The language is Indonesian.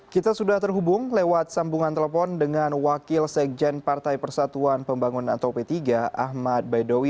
kita sudah terhubung lewat sambungan telepon dengan wakil sekjen partai persatuan pembangunan atau p tiga ahmad baidowi